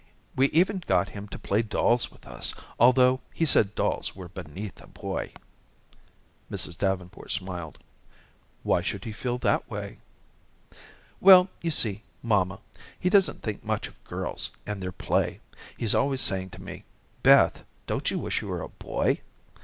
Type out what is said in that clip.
We even got him to play dolls with us, although he said dolls were beneath a boy." Mrs. Davenport smiled. "Why should he feel that way?" "Well, you see, mamma, he doesn't think much of girls and their play. He's always saying to me, 'Beth, don't you wish you were a boy?'